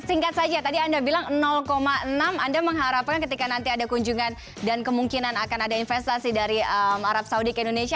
singkat saja tadi anda bilang enam anda mengharapkan ketika nanti ada kunjungan dan kemungkinan akan ada investasi dari arab saudi ke indonesia